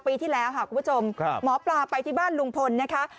ปีที่แล้วค่ะคุณผู้ชมหมอปลาไปที่บ้านลุงพลนะคะ